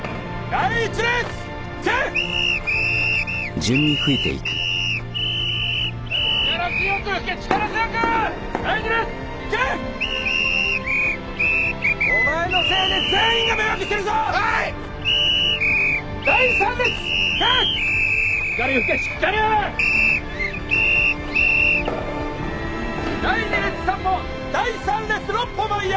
第２列３歩第３列６歩前へ進め！